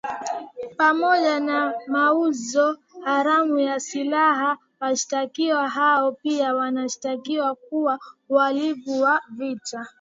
Pamoja na mauzo haramu ya silaha washtakiwa hao pia wanashtakiwa kwa uhalivu wa vita